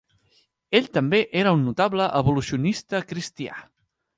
Ell també era un notable evolucionista cristià.